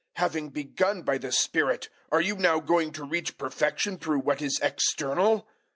Having begun by the Spirit, are you now going to reach perfection through what is external?